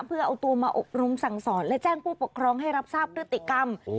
เพื่อเอาตัวมาอบรมสั่งสอนและแจ้งผู้ปกครองให้รับทราบพฤติกรรม